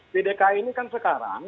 pdk ini kan sekarang